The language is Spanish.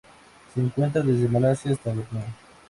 Se encuentra desde Malasia hasta Borneo.